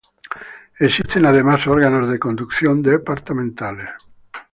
Existen además órganos de conducción departamentales.